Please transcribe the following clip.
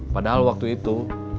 padahal waktu itu